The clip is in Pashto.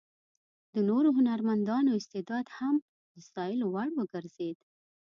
د نورو هنرمندانو استعداد هم د ستایلو وړ وګرځېد.